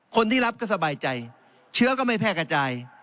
คนที่รับก็สบายใจเชื้อก็ไม่แพร่กระจาย